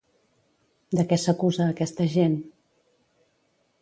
De què s'acusa aquesta gent?